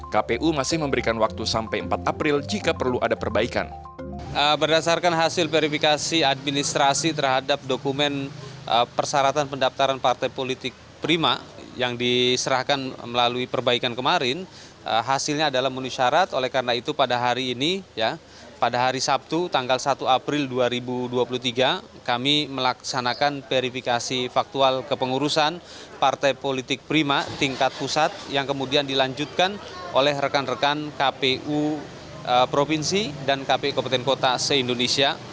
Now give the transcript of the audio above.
keputusan kpu provinsi dan kpu kompeten kota se indonesia